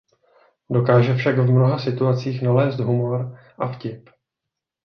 Dokáže však v mnoha situacích nalézt humor a vtip.